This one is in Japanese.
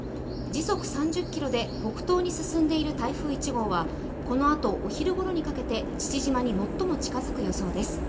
時速３０ｋｍで北東に進んでいる台風１号は、このあと、お昼ごろにかけて父島に最も近づく予想です。